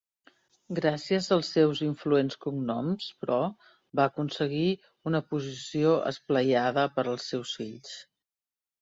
Gràcies als seus influents cognoms, però, va aconseguir una posició esplaiada per als seus fills.